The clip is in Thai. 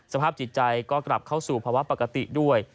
สภาพจิตใจก็กลับเข้าสู่ภาวะปกติด้วย